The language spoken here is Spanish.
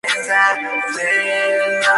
Tiene su sede en Chula Vista.